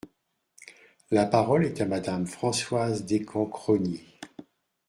La parole est à Madame Françoise Descamps-Crosnier.